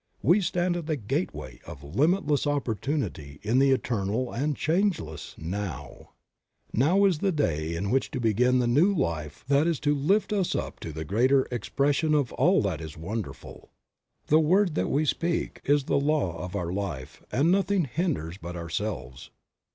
We stand at the gateway of limitless opportunity in the eternal and change less NOW. Now is the day in which to begin the new life that is to lift us up to the greater expression of all that is wonderful. The word that we speak is the Law of our life and nothing hinders but ourselves.